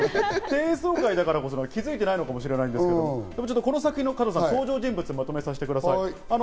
低層階だからこそ気づいてないのかもしれないですけど、この作品の登場人物をまとめさせてください。